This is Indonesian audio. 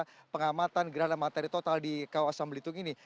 berita terkini mengenai penyelenggarakan gerhana matahari total di kawasan belitung ini